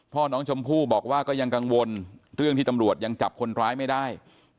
พ่อน้องชมพู่บอกว่าก็ยังกังวลเรื่องที่ตำรวจยังจับคนร้ายไม่ได้